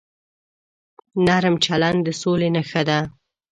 نرم چلند د سولې نښه ده.